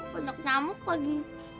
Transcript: banyak nyamuk lagi